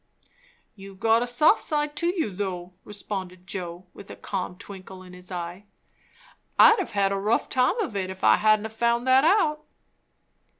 "You've got a soft side to you, though," responded Joe, with a calm twinkle in his eye. "I'd have a rough time of it, if I hadn't found that out."